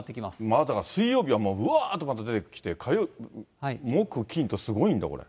まずだから、水曜日はまたうわーっと出てきて、木、金とすごいんだ、これ。